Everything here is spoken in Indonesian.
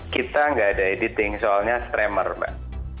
kita nggak ada editing soalnya stremmer mbak